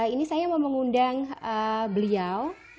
ini saya mau mengundang beliau